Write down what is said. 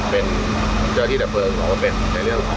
เพราะว่าเมืองนี้จะเป็นที่สุดท้าย